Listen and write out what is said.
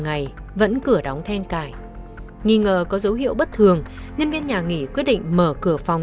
ngày vẫn cửa đóng then cài nghi ngờ có dấu hiệu bất thường nhân viên nhà nghỉ quyết định mở cửa phòng